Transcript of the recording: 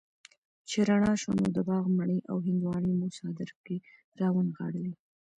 چې رڼا شوه نو د باغ مڼې او هندواڼې مو څادر کي را ونغاړلې